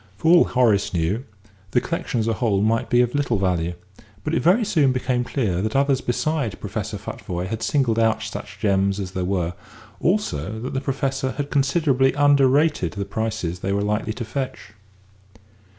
For all Horace knew, the collection as a whole might be of little value, but it very soon became clear that others besides Professor Futvoye had singled out such gems as there were, also that the Professor had considerably under rated the prices they were likely to fetch.